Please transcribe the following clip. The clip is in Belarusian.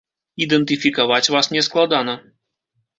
Ідэнтыфікаваць вас не складана.